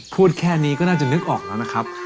พูดแค่นี้ก็น่าจะนึกออกแล้วนะครับ